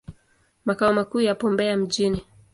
Makao makuu yapo Mbeya mjini.